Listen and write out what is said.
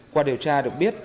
qua điều tra được biết